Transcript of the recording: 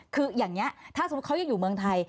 คืออย่างนี้ถ้าสมมุติเขายังอยู่เมืองไทย